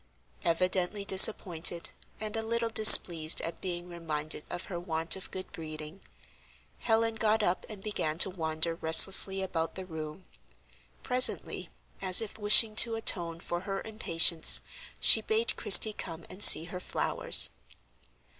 Evidently disappointed, and a little displeased at being reminded of her want of good breeding, Helen got up and began to wander restlessly about the room. Presently, as if wishing to atone for her impatience, she bade Christie come and see her flowers.